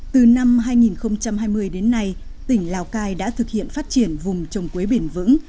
từ năm hai nghìn hai mươi đến nay tỉnh lào cai đã thực hiện phát triển vùng trồng quế bền vững